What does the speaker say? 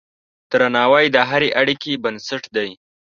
درناوی د هرې اړیکې بنسټ دی.